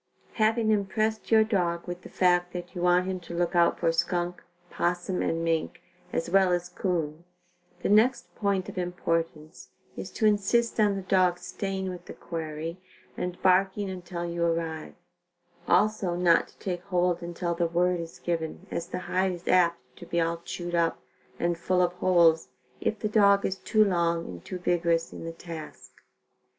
Having impressed your dog with the fact that you want him to look out for skunk, possum and mink, as well as 'coon, the next point of importance is to insist on the dog staying with the quarry and barking until you arrive; also not to take hold until the word is given as the hide is apt to be all chewed up and full of holes if the dog is too long and too vigorous in the task.